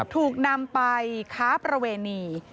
ถูกนำไปค้าประเวณี